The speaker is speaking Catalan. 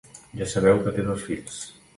Ja sabeu que té dos fills.